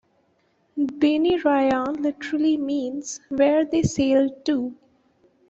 "Binirayan" literally means ""where they sailed to"".